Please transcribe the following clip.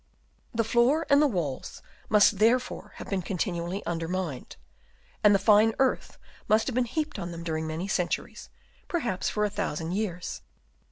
The floor and the walls must therefore have been continually undermined ; and fine earth must have been heajDed on them during many centuries, perhaps for a thousand years.